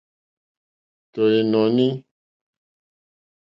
Tɔ̀ ìnɔ̀ní.